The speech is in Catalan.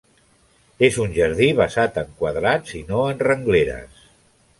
És un jardí basat en quadrats i no en rengleres.